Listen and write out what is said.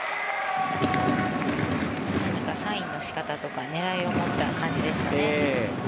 サインの仕方とか狙いを持った感じでしたね。